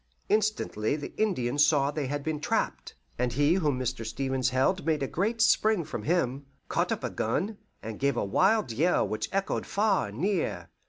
Instantly the Indians saw they had been trapped, and he whom Mr. Stevens held made a great spring from him, caught up a gun, and gave a wild yell which echoed far and near.